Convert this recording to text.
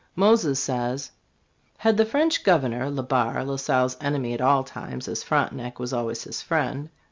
Moses says : "Had the French governor [Le Barre, La Salle's enemy at all times, as Frontenac was always his friend?